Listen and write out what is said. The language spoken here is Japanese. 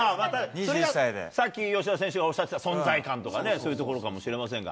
それがさっき、吉田選手がおっしゃってた存在感とかね、そういうところかもしれませんが。